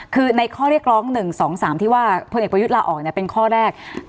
คือในข้อเรียกร้อง๑๒๓ที่ว่าพลเอกประยุทธ์ลาออกเป็นข้อแรก